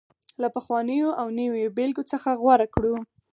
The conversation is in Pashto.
له پخوانيو او نویو بېلګو څخه غوره کړو